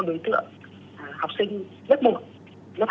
ở đối tượng này sẽ đạt được hiệu quả